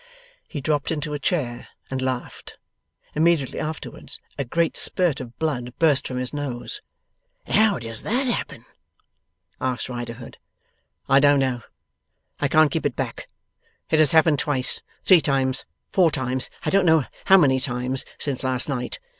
He dropped into a chair, and laughed. Immediately afterwards, a great spirt of blood burst from his nose. 'How does that happen?' asked Riderhood. 'I don't know. I can't keep it back. It has happened twice three times four times I don't know how many times since last night.